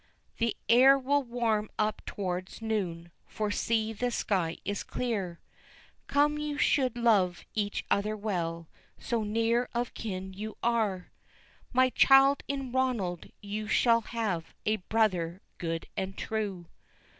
The air will warm up towards noon, for see the sky is clear, Come, you should love each other well, so near of kin are you, My child, in Ronald you shall have a brother good and true."